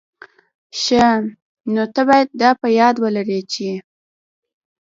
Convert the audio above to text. ښه، نو ته بايد دا په یاد ولري چي...